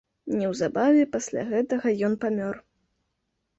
Неўзабаве пасля гэтага ён памёр.